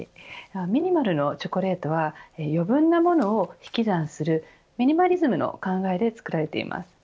Ｍｉｎｉｍａｌのチョコレートは余分なものを引き算するミニマリズムの考えで作られています。